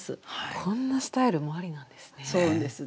こんなスタイルもありなんですね。